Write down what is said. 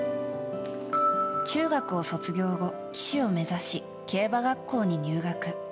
中学を卒業後、騎手を目指し競馬学校に入学。